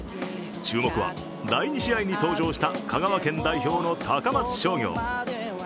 注目は第２試合に登場した香川県代表の高松商業。